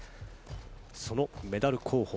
そのメダル候補。